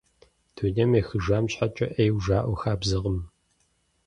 Дунейм ехыжам щхьэкӀэ Ӏей жаӀэу хабзэкъым.